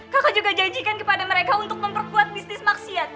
kakak juga janjikan kepada mereka untuk memperkuat bisnis maksiat